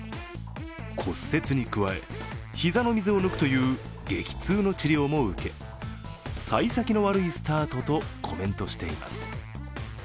骨折に加え、膝の水を抜くという激痛の治療も受けさい先の悪いスタートとコメントしています。